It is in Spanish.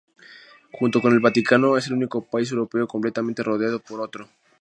Junto con el Vaticano es el único país europeo completamente rodeado por otro.